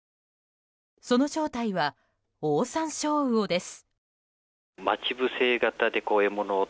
その正体はオオサンショウウオです。